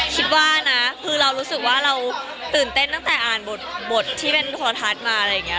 ถือว่าน่ะเรารู้สึกว่าตื่นเต้นตั้นแต่อ่านบทที่เป็นมันกำลังมา